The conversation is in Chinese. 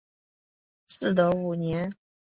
嗣德五年。